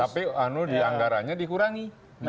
tapi anu di anggaranya dikurangi